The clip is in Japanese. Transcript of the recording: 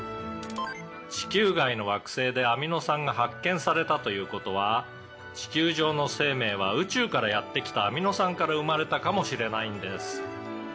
「地球外の惑星でアミノ酸が発見されたという事は地球上の生命は宇宙からやって来たアミノ酸から生まれたかもしれないんです」